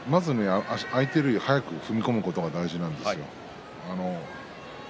相手よりも早く踏み込むことが大事なんですよ。